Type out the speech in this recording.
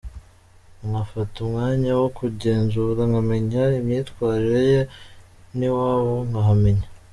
Nkafata umwanya wo kumugenzura nkamenya imyitwarire ye n’iwabo nkahamenya.